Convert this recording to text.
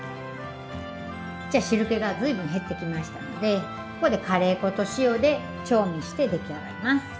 じゃ汁けがずいぶん減ってきましたのでここでカレー粉と塩で調味して出来上がります。